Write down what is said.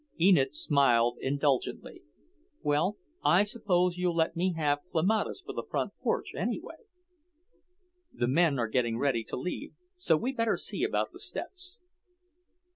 Enid smiled indulgently. "Well, I suppose you'll let me have clematis for the front porch, anyway? The men are getting ready to leave, so we'd better see about the steps."